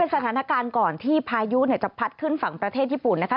สถานการณ์ก่อนที่พายุจะพัดขึ้นฝั่งประเทศญี่ปุ่นนะคะ